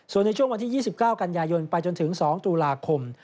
ส่วนในช่วงวันที่๒๙กันยายนไปจนถึง๒ตุลาคม